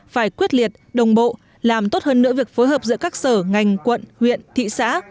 phải quyết liệt đồng bộ làm tốt hơn nữa việc phối hợp giữa các sở ngành quận huyện thị xã